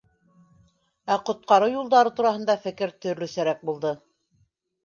Ә ҡотҡарыу юлдары тураһында фекер төрлөсәрәк булды.